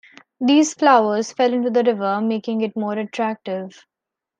These flowers fell into the river making it more attractive.